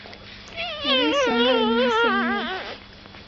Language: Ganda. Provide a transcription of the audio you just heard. Eriiso nga limyuse nnyo?